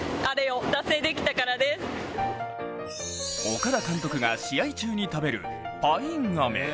岡田監督が試合中に食べるパインアメ。